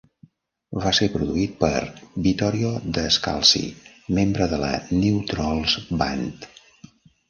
Va ser produït per Vittorio De Scalzi, membre de la New Trolls band.